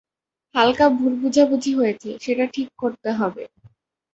হালকা ভুল বুঝাবুঝি হয়েছে, সেটা ঠিক করতে হবে।